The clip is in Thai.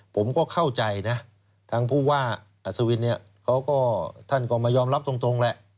ผมก็เข้าใจนะทางผู้ว่าอัศวินเนี่ยเขาก็ท่านก็มายอมรับตรงแหละ